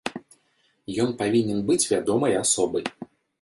Ён павінен быць вядомай асобай.